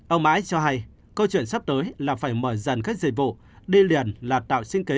ông mãi cho hay câu chuyện sắp tới là phải mở dần các dịch vụ đê liền là tạo sinh kế